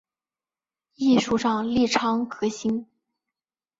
艺术上力倡革新